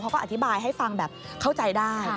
เขาก็อธิบายให้ฟังแบบเข้าใจได้